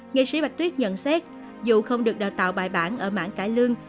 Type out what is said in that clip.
nghệ sĩ bạch tuyết nhận xét dù không được đào tạo bài bản ở mảng cải lương